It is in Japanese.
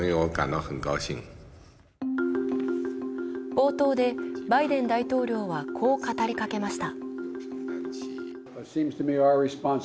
冒頭でバイデン大統領は、こう語りかけました。